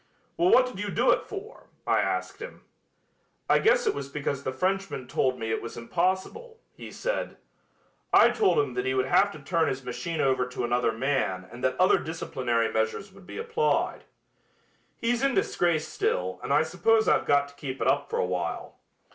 'Well, what did you do it for?' I asked him. 'I guess it was because the Frenchman told me it was impossible,' he said. I told him that he would have to turn his machine over to another man and that other disciplinary measures would be applied. He's in disgrace still and I suppose I've got to keep it up for a while.